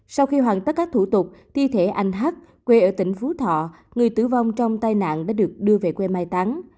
sau khi hoàn tất các thủ tục thi thể anh hát quê ở tỉnh phú thọ người tử vong trong tai nạn đã được đưa về quê mai táng